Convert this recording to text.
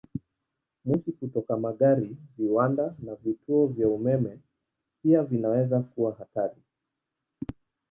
Moshi kutoka magari, viwanda, na vituo vya umeme pia vinaweza kuwa hatari.